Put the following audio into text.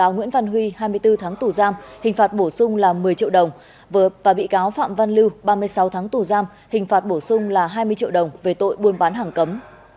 nhiều tội buôn bán hàng cấm